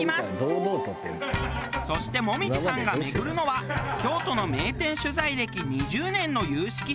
そして紅葉さんが巡るのは京都の名店取材歴２０年の有識者